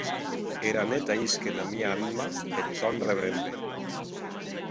Era net ahisque ena mia anma eth tòn rebrembe!